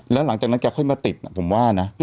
แล้วหลังจากนั้นแกค่อยมาติดผมว่านะ